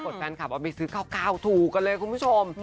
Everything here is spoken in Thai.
แฟนคลับเอาไปซื้อ๙๙ถูกกันเลยคุณผู้ชม